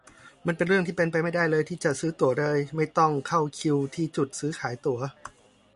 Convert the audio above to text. มันเป็นเรื่องที่เป็นไปไม่ได้เลยที่จะซื้อตั๋วโดยไม่ต้องเข้าคิวที่จุดซื้อขายตั๋ว